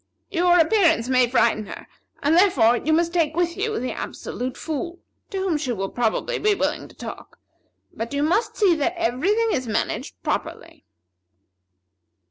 Your appearance may frighten her; and, therefore, you must take with you the Absolute Fool, to whom she will probably be willing to talk; but you must see that every thing is managed properly."